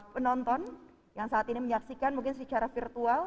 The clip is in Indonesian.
penonton yang saat ini menyaksikan mungkin secara virtual